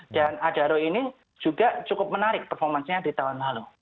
dan adaro ini juga cukup menarik performancenya di tahun lalu